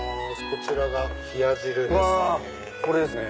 こちらが冷汁ですね。